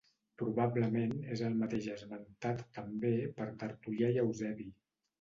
Probablement és el mateix esmentat també per Tertulià i Eusebi.